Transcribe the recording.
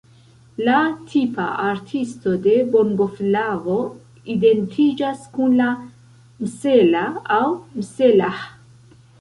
La tipa artisto de bongoflavo identiĝas kun la "msela" aŭ "mselah".